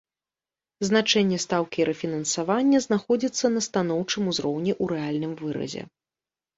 Значэнне стаўкі рэфінансавання знаходзіцца на станоўчым узроўні ў рэальным выразе.